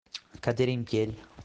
Cadere in piedi.